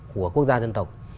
của quốc gia dân tộc